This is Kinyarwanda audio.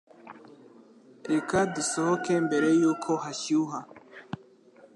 Reka dusohoke mbere yuko hashyuha